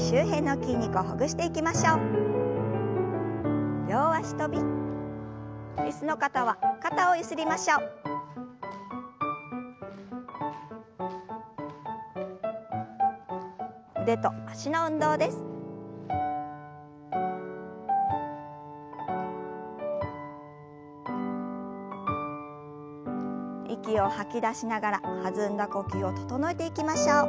息を吐き出しながら弾んだ呼吸を整えていきましょう。